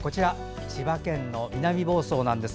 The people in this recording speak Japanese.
千葉県の南房総です。